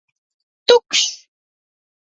Tukšs!